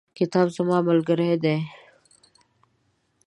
کتاب زما ملګری دی.